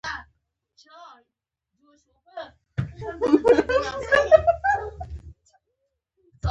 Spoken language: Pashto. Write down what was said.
د افغانستان وچې مېوې ډېرې خوږې دي.